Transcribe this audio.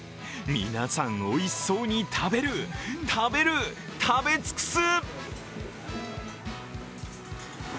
皆さん、おいしそうに食べる、食べる、食べ尽くす！